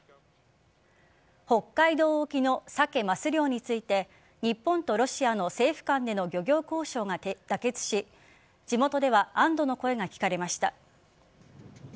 北海道沖のサケ・マス漁について日本とロシアの政府間での漁業交渉が妥結し地元では安堵の声が聞かれました。